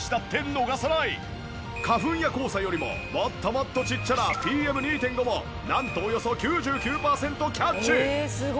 花粉や黄砂よりももっともっとちっちゃなＰＭ２．５もなんとおよそ９９パーセントキャッチ。